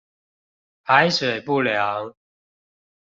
排水不良